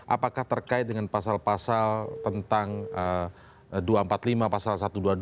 apakah terkait dengan pasal pasal tentang dua ratus empat puluh lima pasal satu ratus dua puluh dua